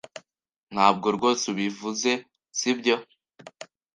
Ntabwo rwose ubivuze, sibyo?